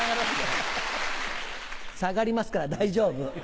下がりますから大丈夫。